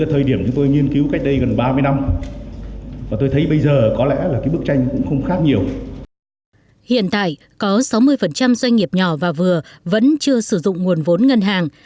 hiện tại có sáu mươi doanh nghiệp nhỏ và vừa vẫn chưa sử dụng nguồn vốn ngân hàng